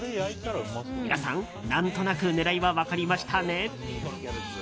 皆さん、何となく狙いは分かりましたね？